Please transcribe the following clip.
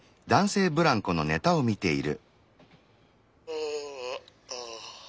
「あああぁ。